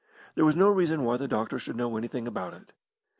There was no reason why the doctor should know anything about it.